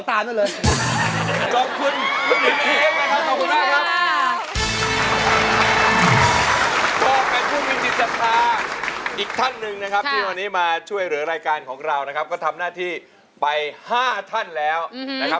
ของส่วนของพี่บอลเจมส์มาเซ่กากง้วงตอนนี้ออกแล้วนะคะ